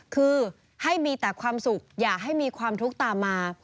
คือให้มีแต่ความสุขอย่าให้มีความทุกข์ตามมา